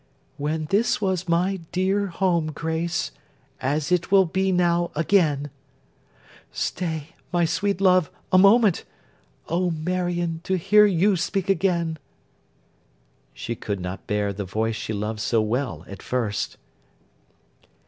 'When this was my dear home, Grace, as it will be now again—' 'Stay, my sweet love! A moment! O Marion, to hear you speak again.' She could not bear the voice she loved so well, at first.